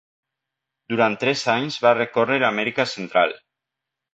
Durant tres anys va recórrer Amèrica Central.